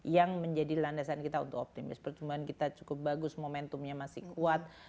yang menjadi landasan kita untuk optimis pertumbuhan kita cukup bagus momentumnya masih kuat